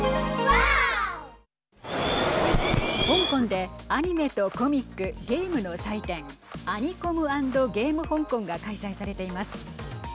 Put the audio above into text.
香港でアニメとコミック、ゲームの祭典アニコム＆ゲーム香港が開催されています。